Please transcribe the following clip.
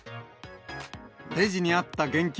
レジにあった現金